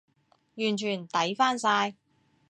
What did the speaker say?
完全抵返晒